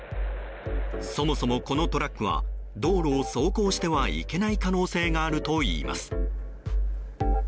そもそも、このトラックは道路を走行してはいけない可能性があるといいます。